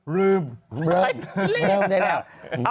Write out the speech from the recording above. เริ่มได้แล้ว